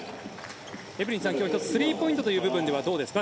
エブリンさん、今日は１つスリーポイントという部分ではどうですか？